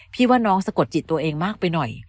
พี่ว่าน้องสะกดจิตตัวเองมากไปหน่อย